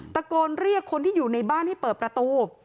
ตะโกนเรียกคนที่อยู่ในบ้านให้เปิดประตู